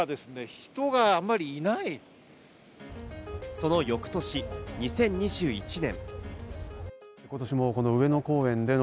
その翌年、２０２１年。